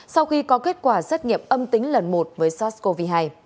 sau khi có kết quả xét nghiệm âm tính lần một với sars cov hai